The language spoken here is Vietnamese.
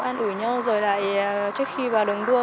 an ủi nhau rồi lại trước khi vào đường đua